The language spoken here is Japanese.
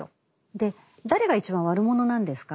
で誰が一番悪者なんですか？